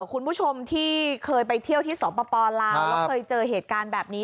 คุณผู้ชมที่เคยไปเที่ยวที่สปลาวแล้วเคยเจอเหตุการณ์แบบนี้